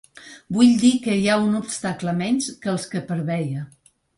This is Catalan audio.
Vull dir que hi ha un obstacle menys que els que preveia.